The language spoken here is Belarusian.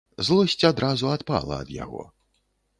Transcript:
Злосць адразу адпала ад яго.